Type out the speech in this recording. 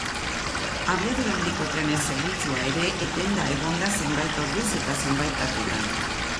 Abiadura handiko trenen zerbitzua ere etenda egon da zenbait orduz eta zenbait tartetan.